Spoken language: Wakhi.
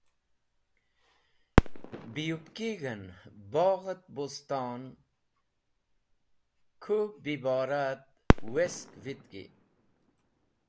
Biyupkig̃h en bogh et buston kũ bibora et west vitki.